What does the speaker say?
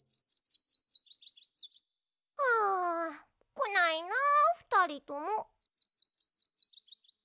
あこないなふたりとも。